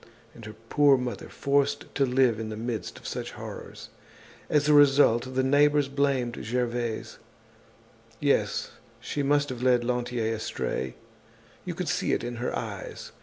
And her poor mother, forced to live in the midst of such horrors. As a result, the neighbors blamed Gervaise. Yes, she must have led Lantier astray; you could see it in her eyes.